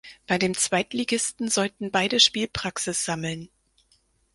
Bei dem Zweitligisten sollten beide Spielpraxis sammeln.